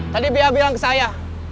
tadi bia bilang ke saya